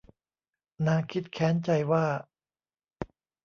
นางคิดแค้นใจว่า